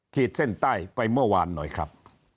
ขีดเส้นใต้ไปเมื่อวานหน่อยครับ